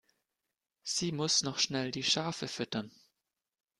Sie muss noch schnell die Schafe füttern.